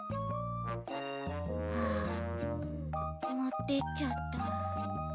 ああもってっちゃった。